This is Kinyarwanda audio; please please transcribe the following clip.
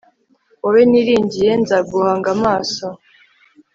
wowe niringiye (koko), nzaguhanga amaso